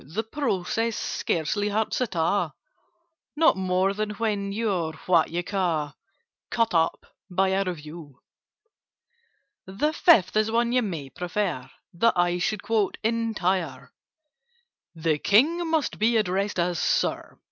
The process scarcely hurts at all— Not more than when you 're what you call 'Cut up' by a Review. "The Fifth is one you may prefer That I should quote entire:— The King must be addressed as 'Sir.